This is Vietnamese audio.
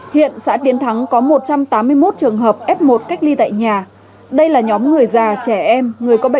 hiện xã tiến thắng là một trong những công việc hàng ngày